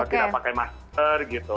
tidak pakai masker gitu